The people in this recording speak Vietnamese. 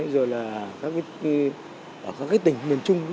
rồi là các tỉnh miền trung